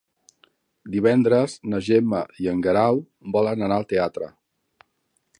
Divendres na Gemma i en Guerau volen anar al teatre.